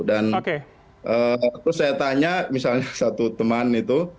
dan terus saya tanya misalnya satu teman itu